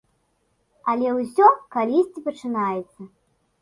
Але ўсё калісьці пачынаецца.